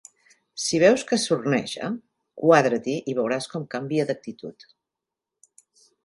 Si veus que sorneja, quadra-t'hi i veuràs com canvia d'actitud.